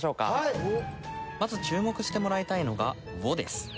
まず注目してもらいたいのが「を」です。